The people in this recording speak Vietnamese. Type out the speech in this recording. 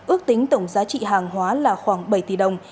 ước tính tổng giá trị hàng hóa là khoảng bảy tỷ đồng